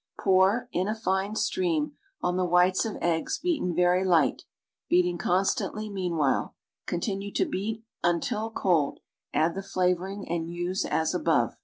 Pour, in a fine stream, on the whites of eggs beaten very light, beating constantly meanwhile; continue to beat until cold, add the flavoring and use as above.